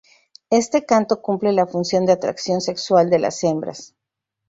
Este canto cumple la función de atracción sexual de las hembras.